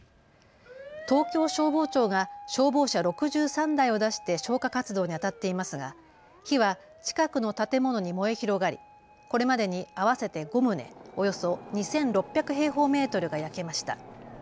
東京消防庁が消防車６３台を出して消火活動にあたっていますが火は近くの建物に燃え広がりこれまでに合わせて５棟、およそ２６００平方メートルが焼けました。